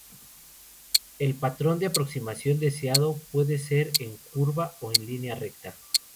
El patrón de aproximación deseado puede ser en curva o en línea recta.